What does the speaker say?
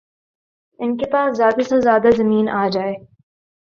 ان کے پاس زیادہ سے زیادہ زمین آجائے